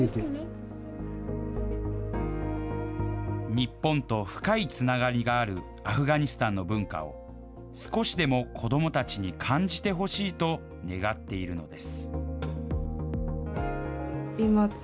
日本と深いつながりがあるアフガニスタンの文化を、少しでも子どもたちに感じてほしいと願っているのです。